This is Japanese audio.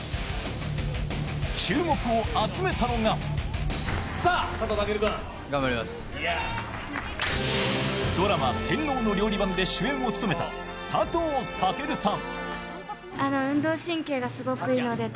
注目を集めたのがドラマ「天皇の料理番」で主演を務めた佐藤健さん。